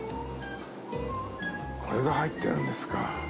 これが入ってるんですか。